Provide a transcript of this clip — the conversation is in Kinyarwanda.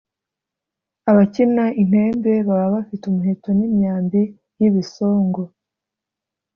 abakina intembe baba bafite umuheto n’imyambi y’ibisongo